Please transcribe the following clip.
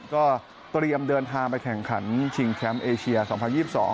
ก็เตรียมเดินทางไปแข่งขันชิงแคมป์เอเชีย๒๐๒๒